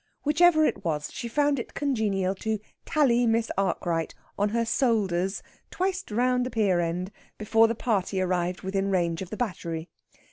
Whichever it was, she found it congenial to "tally" Miss Arkwright on her "soulders" twiced round the pier end before the party arrived within range of the battery.